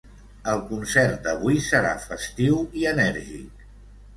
El concert d’avui serà festiu i enèrgic.